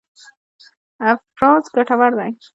افراز ګټور دی.